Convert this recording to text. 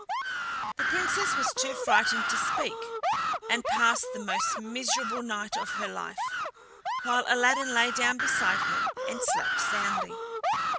The Princess was too frightened to speak, and passed the most miserable night of her life, while Aladdin lay down beside her and slept soundly.